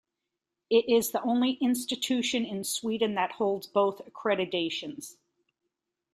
It is the only institution in Sweden that holds both accreditations.